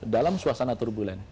dalam suasana turbulensi